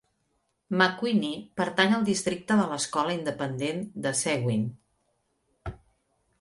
McQueeney pertany al districte de l'escola independent de Seguin.